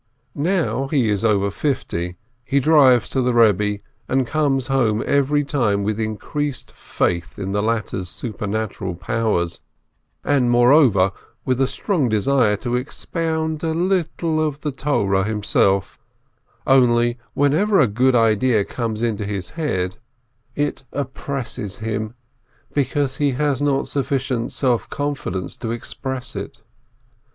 Now he is over fifty, he drives to the Eebbe, and comes home every time with increased faith in the latter's supernatural powers, and, moreover, with a strong desire to expound a little of the Torah him self; only, whenever a good idea comes into his head, it 436 NAUMBERG oppresses him, because he has not sufficient self con fidence to express it.